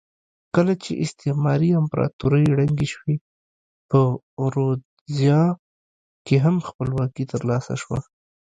کله چې استعماري امپراتورۍ ړنګې شوې په رودزیا کې هم خپلواکي ترلاسه شوه.